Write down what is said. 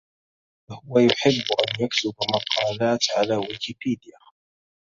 هو يحب أن يكتب مقالات على ويكيبيديا